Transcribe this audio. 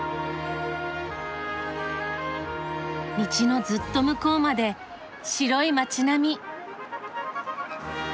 道のずっと向こうまで白い街並み！